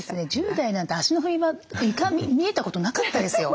１０代なんて足の踏み場床見えたことなかったですよ。